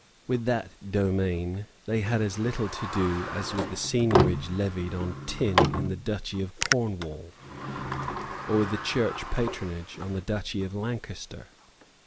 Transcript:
With that domain they had as little to do as with the seignorage levied on tin in the Duchy of Cornwall, or with the church patronage of the Duchy of Lancaster.